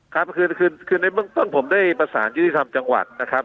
ครับคือในเบื้องต้นผมได้ประสานยุทธิธรรมจังหวัดนะครับ